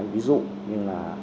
ví dụ như là